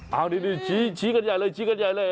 เอานี่ชี้กันใหญ่เลยชี้กันใหญ่เลย